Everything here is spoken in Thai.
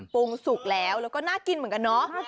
สุกแล้วแล้วก็น่ากินเหมือนกันเนาะ